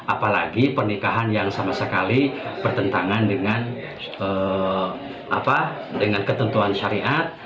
apalagi pernikahan yang sama sekali bertentangan dengan ketentuan syariat